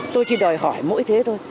tôi chỉ đòi hỏi mỗi thế thôi